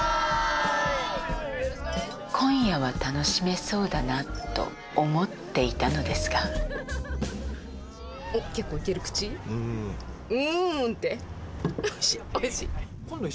今夜は楽しめそうだなと思っていたのですが今度。